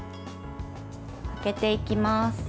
開けていきます。